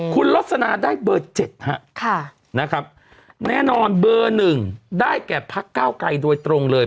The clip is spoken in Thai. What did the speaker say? คุณลสนาได้เบอร์๗นะครับแน่นอนเบอร์หนึ่งได้แก่พักเก้าไกรโดยตรงเลย